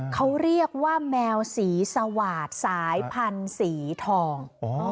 เขาเรียกว่าแมวสีสวาดสายพันธุ์สีทอง